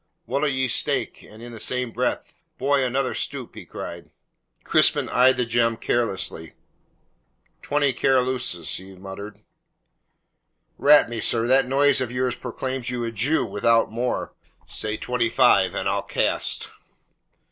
"What'll ye stake?" And, in the same breath, "Boy, another stoup," he cried. Crispin eyed the gem carelessly. "Twenty Caroluses," he muttered. "Rat me, sir, that nose of yours proclaims you a jew, without more. Say twenty five, and I'll cast."